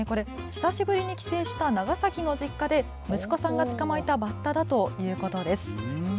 久しぶりに帰省した長崎の実家で息子さんが捕まえたバッタだということです。